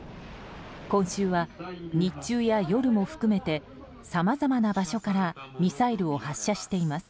今週は、日中や夜も含めてさまざまな場所からミサイルを発射しています。